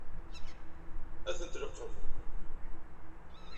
Ad ten-tleqqem?